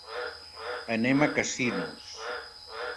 Anem a Casinos.